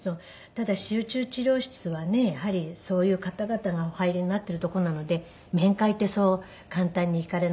ただ集中治療室はねやはりそういう方々がお入りになっている所なので面会ってそう簡単に行かれないじゃないですか。